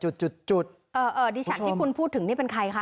ดิฉันที่คุณพูดถึงนี่เป็นใครคะ